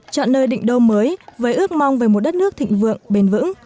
chọn nơi định đô mới với ước mong về một đất nước thịnh vượng bền vững